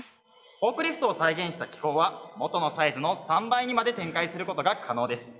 フォークリフトを再現した機構は元のサイズの３倍にまで展開することが可能です。